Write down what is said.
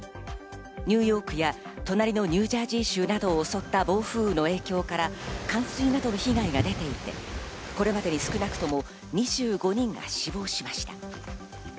ニューヨークや隣のニュージャージー州などを襲った暴風雨の影響から冠水などの被害が出ていて、これまでに少なくとも２５人が死亡しました。